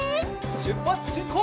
しゅっぱつしんこう！